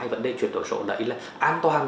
vấn đề chuyển đổi số đấy là an toàn